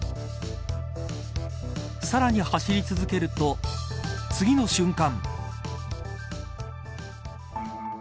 さらに、走り続けると次の瞬間。